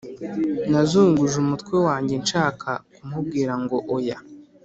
Nazunguje umutwe wanjye nshaka kumubwira ngo oya